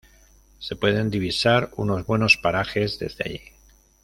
Se pueden divisar unos buenos parajes desde allí.